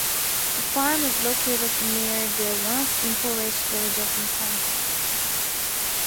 The farm is located near the once impoverished village of Muppandal.